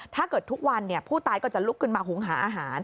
ถ้าเกิดทุกวันผู้ตายก็จะลุกขึ้นมาหุงหาอาหาร